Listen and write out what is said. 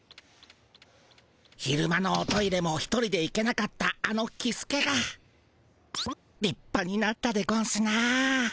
昼間のおトイレも一人で行けなかったあのキスケがりっぱになったでゴンスなぁ。